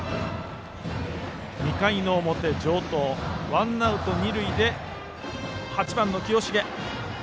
２回の表、城東ワンアウト二塁で８番の清重。